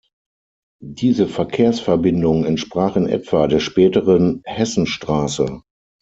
Diese Verkehrsverbindung entsprach in etwa der späteren „Hessenstraße“.